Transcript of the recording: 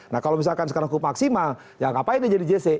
nah kalau misalkan sekarang hukum maksimal ya ngapain dia jadi jc